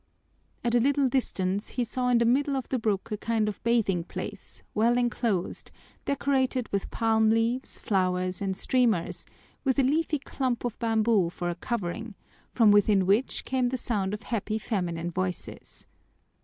At a little distance he saw in the middle of the brook a kind of bathing place, well enclosed, decorated with palm leaves, flowers, and streamers, with a leafy clump of bamboo for a covering, from within which came the sound of happy feminine voices.